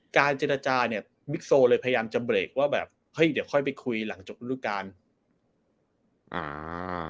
การเจรจาเนี่ยบิ๊กโซเลยพยายามจะเบรกว่าแบบเฮ้ยเดี๋ยวค่อยไปคุยหลังจบรูปการณ์อ่า